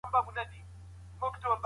خدای په انسان کي خپل روح پو کړ.